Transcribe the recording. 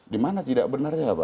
di mana tidak benarnya pak